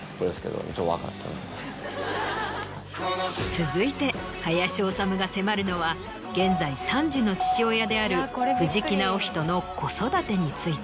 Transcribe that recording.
続いて林修が迫るのは現在３児の父親である藤木直人の。